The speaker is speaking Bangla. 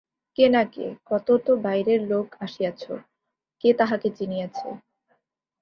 কে না কে, কত তো বাইরের লোক আসিয়াছো-কে তাহকে চিনিয়াছে?